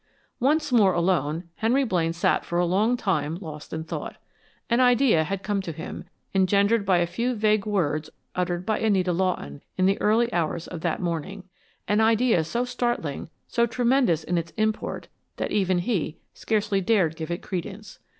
Once more alone, Henry Blaine sat for a long time lost in thought. An idea had come to him, engendered by a few vague words uttered by Anita Lawton in the early hours of that morning: an idea so startling, so tremendous in its import, that even he scarcely dared give it credence.